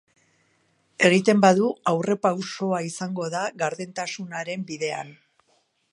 Egiten badu, aurrerapausoa izango da gardentasunaren bidean.